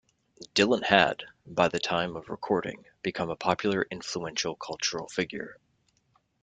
Dylan had, by the time of recording, become a popular, influential cultural figure.